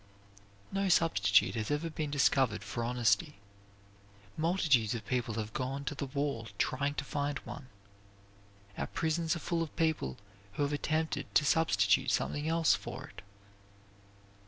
No substitute has ever yet been discovered for honesty. Multitudes of people have gone to the wall trying to find one. Our prisons are full of people who have attempted to substitute something else for it.